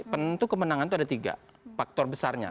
penentu kemenangan itu ada tiga faktor besarnya